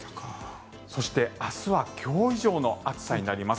そして明日は今日以上の暑さになります。